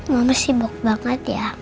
mama sibuk banget ya